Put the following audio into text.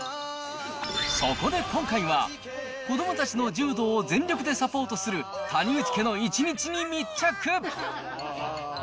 そこで今回は、子どもたちの柔道を全力でサポートする谷口家の１日に密着。